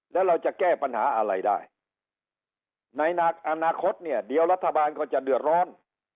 แล้วเราจะแก้ปัญหาอะไรได้ในอนาคตเนี่ยเดี๋ยวรัฐบาลก็จะเดือดร้อน